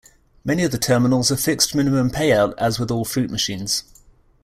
Many of the terminals are fixed minimum payout as with all fruit machines.